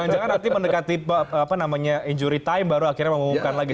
jangan jangan nanti mendekati injury time baru akhirnya mengumumkan lagi